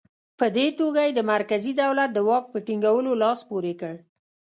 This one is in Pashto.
په دې توګه یې د مرکزي دولت د واک په ټینګولو لاس پورې کړ.